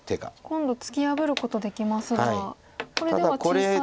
今度突き破ることできますがこれでは小さいですか。